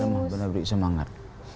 benar benar beri semangat